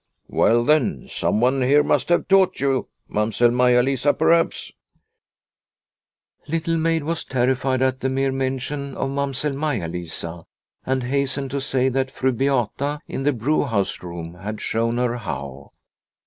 " Well, then, someone here must have taught you Mamsell Maia Lisa perhaps ?' Little Maid was terrified at the mere mention of Mamsell Maia Lisa, and hastened to say that Fru Beata in the brewhouse room had shown her how.